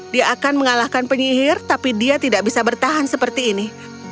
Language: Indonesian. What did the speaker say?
dia akan mengalahkan penyihir tapi dia tidak bisa bertahan seperti ini